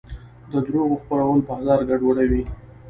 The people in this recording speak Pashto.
د دروغو خپرول بازار ګډوډوي.